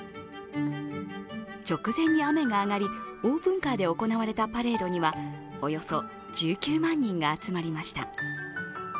直前に雨が上がり、オープンカーで行われたパレードにはおよそ１９万人が集まりました。